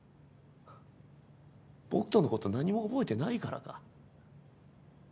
僕とのこと何も覚えてないからか？